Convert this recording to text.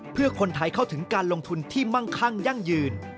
เพื่อคนไทยเข้าถึงการลงทุนที่มั่งคั่งยั่งยืน